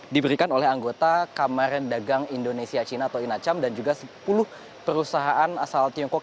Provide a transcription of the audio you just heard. diberikan oleh anggota kamar dagang indonesia cina atau inacham dan juga sepuluh perusahaan asal tiongkok